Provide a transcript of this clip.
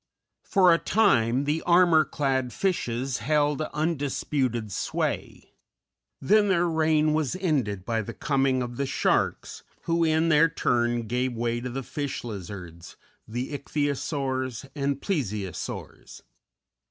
For a time the armor clad fishes held undisputed sway; then their reign was ended by the coming of the sharks, who in their turn gave way to the fish lizards, the Ichthyosaurs and Plesiosaurs.